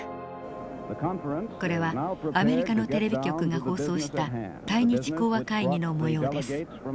これはアメリカのテレビ局が放送した対日講和会議のもようです。